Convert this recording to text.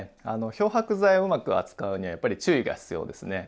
漂白剤をうまく扱うにはやっぱり注意が必要ですね。